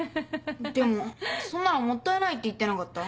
でもそんなのもったいないって言ってなかった？